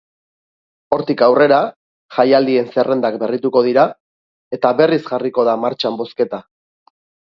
Hortik aurrera, jaialdien zerrendak berrituko dira eta berriz jarriko da martxan bozketa.